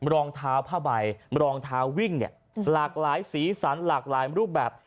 รองเท้าผ้าใบรองเท้าวิ่งเนี่ยหลากหลายสีสันหลากหลายรูปแบบ